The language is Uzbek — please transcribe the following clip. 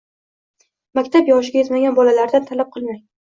maktab yoshiga yetmagan bolalardan talab qilmang.